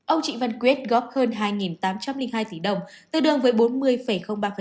ông trịnh văn quyết góp hơn hai tám trăm linh hai tỷ đồng tương đương với bốn mươi ba